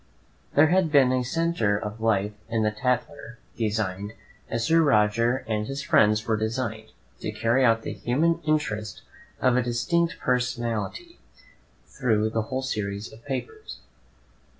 There had been a centre of life in the "Tatler," designed, as Sir Roger and his friends were designed, to carry the human interest of a distinct personality through the whole series of papers.